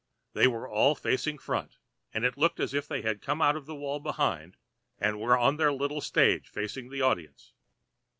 They were all facing front, and it looked as if they had come out of the wall behind, and were on their little stage facing the audience.